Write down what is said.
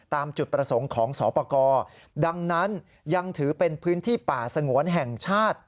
ตามจุดประสงค์ของสอปกรดังนั้นยังถือเป็นพื้นที่ป่าสงวนแห่งชาติ